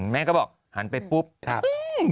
แม่ก็บอกหันไปปุ๊บ